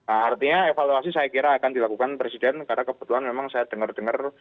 artinya evaluasi saya kira akan dilakukan presiden karena kebetulan memang saya dengar dengar